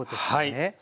はい。